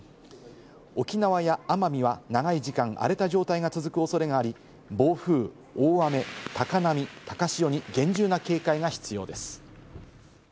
沖縄や奄美は長い時間、荒れた状態が続く恐れがあり、暴風、大雨、高波、高潮に厳重な警戒が必要です。